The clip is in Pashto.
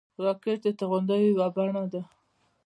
راکټ د توغندیو یوه بڼه ده